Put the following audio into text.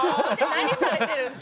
何されてるんですか。